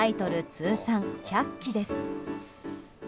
通算１００期です。